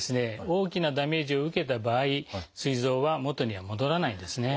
大きなダメージを受けた場合すい臓は元には戻らないんですね。